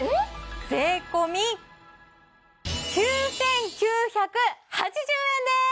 税込９９８０円です！